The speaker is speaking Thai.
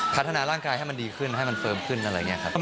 พัฒนาร่างกายให้มันดีขึ้นให้มันเฟิร์มขึ้นอะไรอย่างนี้ครับ